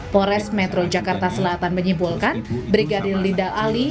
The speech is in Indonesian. pores metro jakarta selatan menyimpulkan brigadir linda ali